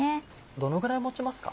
どのぐらい持ちますか？